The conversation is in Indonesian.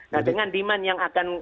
nah dengan demand yang akan